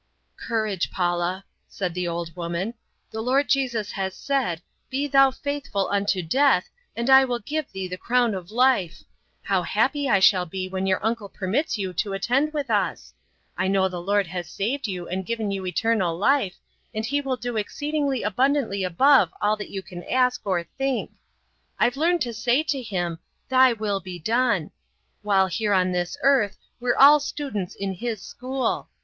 "Courage, Paula," said the old woman, "the Lord Jesus has said, 'Be thou faithful unto death, and I will give thee the crown of life!' How happy I shall be when your uncle permits you to attend with us. I know the Lord has saved you and given you eternal life, and He will do exceeding abundantly above all you can ask or think. I've learned to say to Him, 'Thy will be done!' While here on this earth we're all students in His school.